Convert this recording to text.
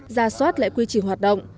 ra soát lại quy trình hoạt động